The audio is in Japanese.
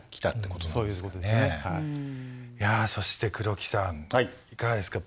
いやそして黒木さんいかがですか？